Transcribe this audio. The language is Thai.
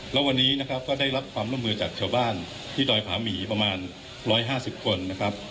แล้ววันนี้นะครับก็ได้รับความร่วมมือจากชาวบ้านที่ดอยผาหมีประมาณ๑๕๐คนนะครับ